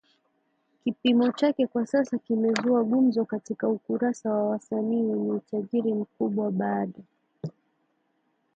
kipimo chake kwa sasa kimezua gumzo katika ukurasa wa wasanii wenye utajiri mkubwa baada